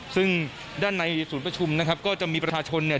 ซึ่งด้านในศูนย์ประชุมนะครับก็จะมีประชาชนเนี่ย